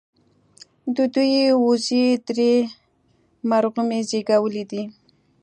د دوي وزې درې مرغومي زيږولي دي